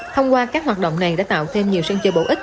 thông qua các hoạt động này đã tạo thêm nhiều sân chơi bổ ích